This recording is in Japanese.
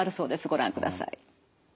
ご覧ください。